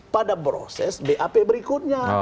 pada proses bap berikutnya